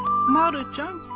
・まるちゃん。